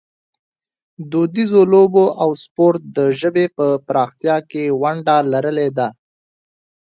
دودیزو لوبو او سپورټ د ژبې په پراختیا کې ونډه لرلې ده.